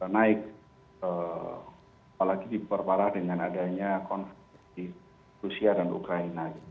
naik apalagi diperparah dengan adanya konflik di rusia dan ukraina